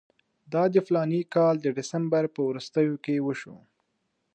دا د فلاني کال د ډسمبر په وروستیو کې وشو.